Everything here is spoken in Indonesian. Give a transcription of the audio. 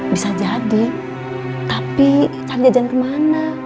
bisa jadi tapi cari jajan kemana